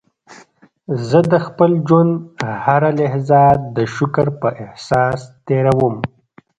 زه د خپل ژوند هره لحظه د شکر په احساس تېرووم.